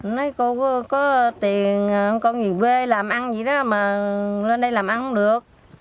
nói cô có tiền con gì quê làm ăn gì đó mà lên đây làm ăn được